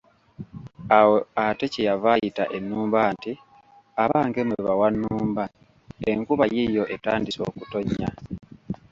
Awo ate kye yava ayita ennumba nti, abange mmwe bawannumba, enkuba yiiyo etandise okutonnya.